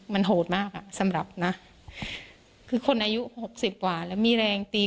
มันโหดมากอ่ะสำหรับนะคือคนอายุหกสิบกว่าแล้วมีแรงตี